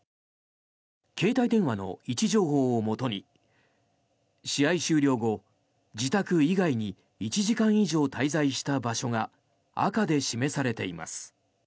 携帯電話の位置情報をもとに試合終了後、自宅以外に１時間以上滞在した場所が赤で示されています。